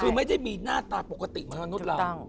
คือไม่ได้มีหน้าตาปกติของนุษย์รัง